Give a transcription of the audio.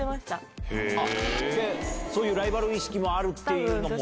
そういうライバル意識もあるっていうのも。